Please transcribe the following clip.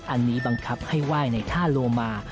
อันนี้บังคับให้ไหว้ในท่าโลมา